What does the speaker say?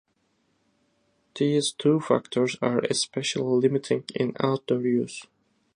These two factors are especially limiting in outdoor use.